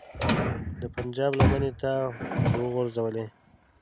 د پنجاب لمنې ته وروغورځولې.